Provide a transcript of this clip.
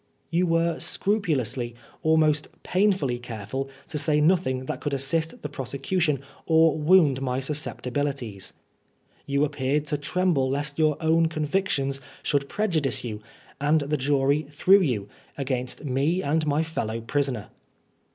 * You were scrupulously, aunost painfully, careful to say nothing that could assist the prosecution or wound my susceptibilitiea You appeared to tremble lest your own convictions should pre judice you, and the jury through you, against me and my f euow prisoner.